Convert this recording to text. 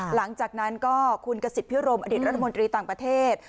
หลังจากนั้นก็คุณกษิตพิรมอดีตรัฐมนตรีต่างประเทศ